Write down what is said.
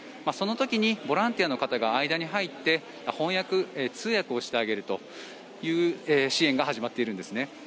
その時にボランティアの方が間に入って翻訳、通訳をしてあげるという支援が始まっているんです。